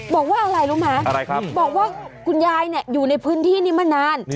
บอกว่าอะไรลูกหมาบอกว่าคุณยายเนี่ยอยู่ในพื้นที่นี่มานาน